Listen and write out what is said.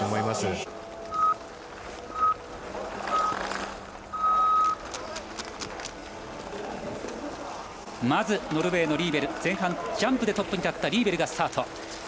まずノルウェーのリーベル前半ジャンプでトップに立ったリーベルがスタート。